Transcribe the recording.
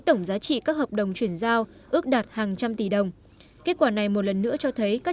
tổng giá trị các hợp đồng chuyển giao ước đạt hàng trăm tỷ đồng kết quả này một lần nữa cho thấy các